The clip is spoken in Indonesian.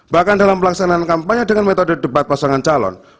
bahkan dalam pelaksanaan kampanye dengan metode debat pasangan calon